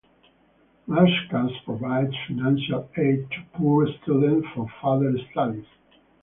Markaz provides financial aid to poor students for further studies.